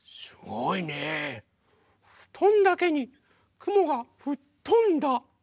ふとんだけにくもがふっとんだ。